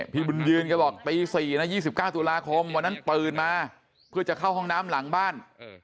พี่บุญยืนแกบอกตี๔นะ๒๙ตุลาคมวันนั้นตื่นมาเพื่อจะเข้าห้องน้ำหลังบ้าน